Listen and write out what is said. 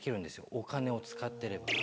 お金を使ってれば。